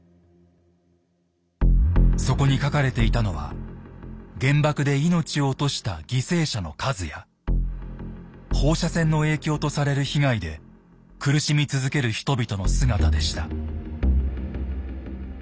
そこに書かれていたのは原爆で命を落とした犠牲者の数や放射線の影響とされる被害で苦しみ続ける人々の姿でした。